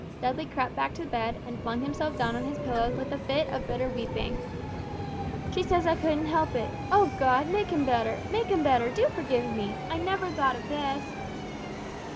Dudley crept back to bed, and flung himself down on his pillows with a fit of bitter weeping. "She says I couldn't help it; oh, God, make him better, make him better, do forgive me! I never thought of this!"